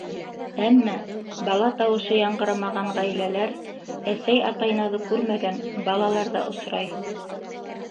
Әммә бала тауышы яңғырамаған ғаиләләр, әсәй, атай наҙы күрмәгән балалар ҙа осрай.